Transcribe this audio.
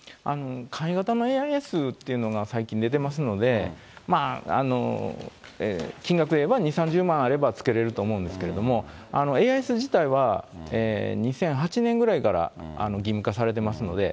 簡易型のＡＩＳっていうのが最近出てますので、金額で言えば、２、３０万あれば、付けれると思うんですけれども、ＡＩＳ自体は２００８年ぐらいから義務化されてますので。